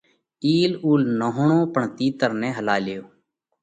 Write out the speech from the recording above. ان اِيل اُول نهوڻو پڻ تِيتر نہ هلاليو